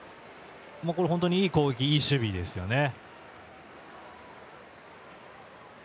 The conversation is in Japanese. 本当にいい攻撃と守備でしたね。